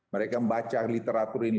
mereka membaca literatur ini